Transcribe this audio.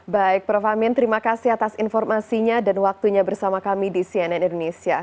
baik prof amin terima kasih atas informasinya dan waktunya bersama kami di cnn indonesia